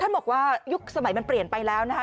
บอกว่ายุคสมัยมันเปลี่ยนไปแล้วนะคะ